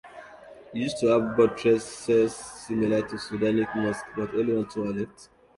It used to have buttresses similar to Sudanic mosques but only one tower left.